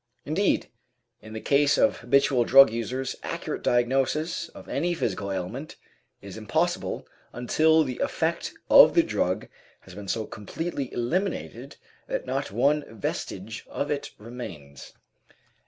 Indeed, in the case of habitual drug users accurate diagnosis of any physical ailment is impossible until the effect of the drug has been so completely eliminated that not one vestige of it remains.